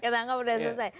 ketangkap sudah selesai